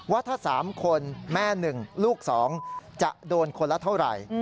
ว่าถ้า๓คนแม่๑ลูก๒จะโดนคนละเท่าไหร่